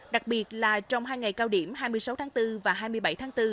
đặc biệt là trong hai ngày cao điểm hai mươi sáu tháng bốn và hai mươi bảy tháng bốn